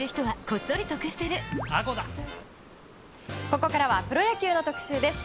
ここからはプロ野球の特集です。